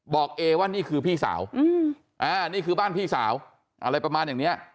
เอว่านี่คือพี่สาวนี่คือบ้านพี่สาวอะไรประมาณอย่างนี้